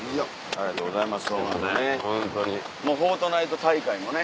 ありがとうございます。